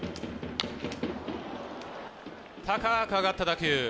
高く上がった打球。